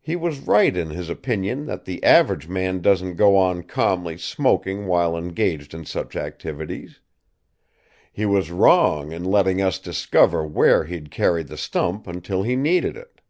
"He was right in his opinion that the average man doesn't go on calmly smoking while engaged in such activities. He was wrong in letting us discover where he'd carried the stump until he needed it.